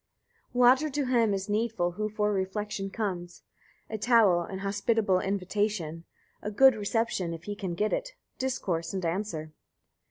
4. Water to him is needful who for refection comes, a towel and hospitable invitation, a good reception; if he can get it, discourse and answer.